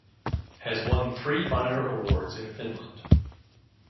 Has won three minor awards in Finland.